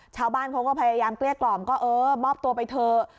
ชาวบ้านเขาก็พยายามเกลี้ยกล่อมก็เออมอบตัวไปเถอะ